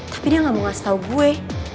tapi dia gak mau ngasih tau gue